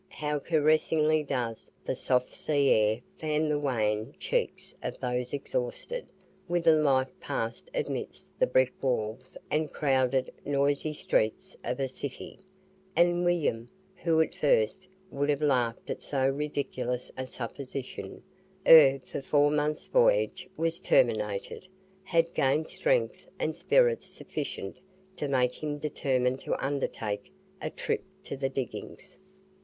how caressingly does the soft sea air fan the wan cheeks of those exhausted with a life passed amidst the brick walls and crowded, noisy streets of a city; and William, who at first would have laughed at so ridiculous a supposition, ere the four months' voyage was terminated, had gained strength and spirits sufficient to make him determine to undertake a trip to the diggings.